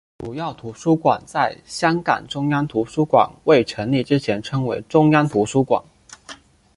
主要图书馆在香港中央图书馆未成立前称为中央图书馆。